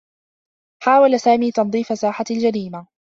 حاول سامي تنظيف ساحة الجريمة.